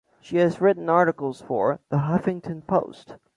She has written articles for "The Huffington Post".